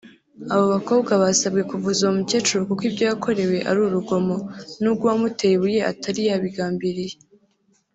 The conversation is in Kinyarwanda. Abo bakobwa basabwe kuvuza uwo mukecuru kuko ibyo yakorewe ari urugomo nubwo uwamuteye ibuye atari yabigambiriye